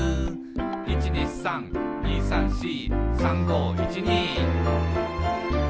「１２３２３４」「３５１２」